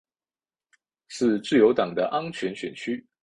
是自由党的安全选区。